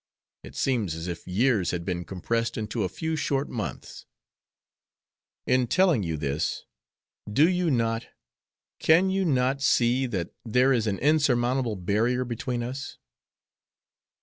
It seems as if years had been compressed into a few short months. In telling you this, do you not, can you not, see that there is an insurmountable barrier between us?"